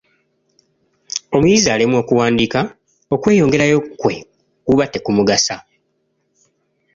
Omuyizi alemwa okuwandiika, okweyongerayo kwe kuba tekumugasa.